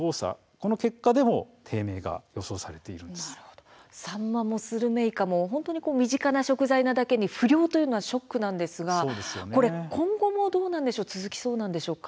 この結果でも低迷がサンマもスルメイカも本当に身近な食材なだけに不漁というのはショックなんですが今後も続きそうなんですか。